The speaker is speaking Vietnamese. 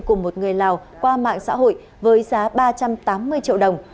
của một người lào qua mạng xã hội với giá ba trăm tám mươi triệu đồng